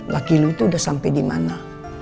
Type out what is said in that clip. lagi lu tuh udah sampai di mana